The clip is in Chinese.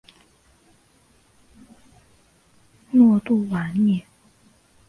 若杜瓦涅。